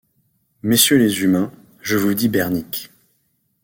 Messieurs les humains, je vous dis bernique !